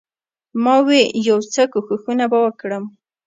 ما وې يو څه کښښونه به وکړم.